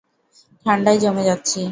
ঠাণ্ডায় জমে যাচ্ছি।